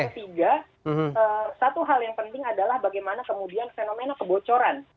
yang ketiga satu hal yang penting adalah bagaimana kemudian fenomena kebocoran